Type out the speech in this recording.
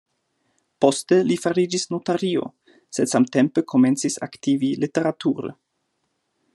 Poste li fariĝis notario, sed samtempe komencis aktivi literature.